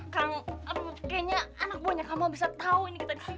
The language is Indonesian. kang kayaknya anak buahnya kamu bisa tahu ini kita di sini